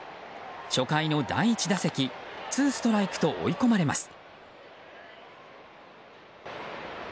初回の第１打席ツーストライクと追い込まれます。